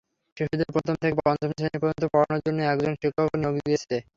শিশুদের প্রথম থেকে পঞ্চম শ্রেণী পর্যন্ত পড়ানোর জন্য একজন শিক্ষকও নিয়োগ দিয়েছে।